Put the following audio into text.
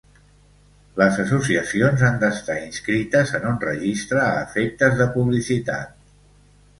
Les associacions han d'estar inscrites en un registre a efectes de publicitat.